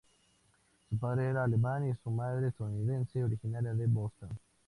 Su padre era alemán y su madre estadounidense originaria de Boston.